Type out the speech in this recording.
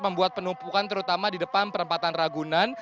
membuat penumpukan terutama di depan perempatan ragunan